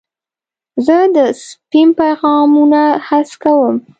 زه د سپیم پیغامونه حذف کوم.